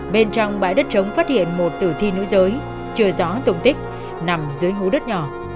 bên trong bãi đất trống phát hiện một tử thi nữ giới chừa gió tụng tích nằm dưới hú đất nhỏ